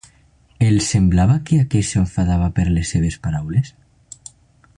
Els semblava que aquest s'enfadava per les seves paraules?